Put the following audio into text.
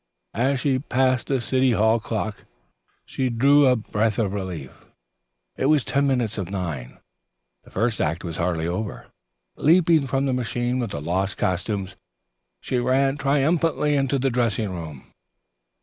As she passed the city hall clock she drew a breath of relief. It was ten minutes of nine. The first act was hardly half over. Leaping from the machine with the lost costumes she ran triumphantly into the dressing room.